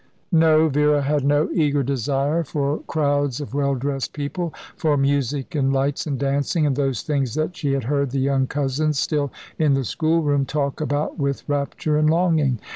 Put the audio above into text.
No, Vera had no eager desire for crowds of well dressed people for music and lights and dancing, and those things that she had heard the young cousins, still in the school room, talk about with rapture and longing.